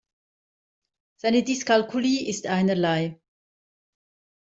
Seine Dyskalkulie ist einerlei.